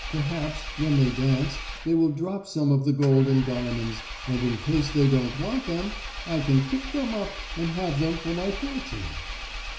Perhaps, when they dance they will drop some of the gold and diamonds, and, in case they don't want them, I can pick them up and have them for my fortune."